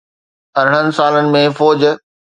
ارڙهن سالن ۾ فوج